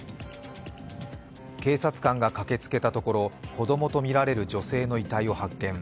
警察官が駆けつけたところ、子供とみられる女性の遺体を発見。